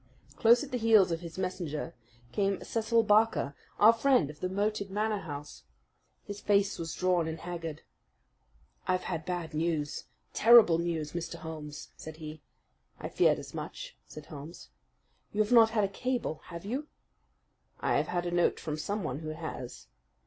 Close at the heels of his messenger came Cecil Barker, our friend of the moated Manor House. His face was drawn and haggard. "I've had bad news terrible news, Mr. Holmes," said he. "I feared as much," said Holmes. "You have not had a cable, have you?" "I have had a note from someone who has."